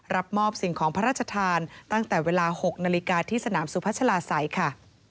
รับมอบสิ่งของพระราชทานตั้งแต่เวลา๖นาฬิกาที่สนามสุพัชลาศัยค่ะ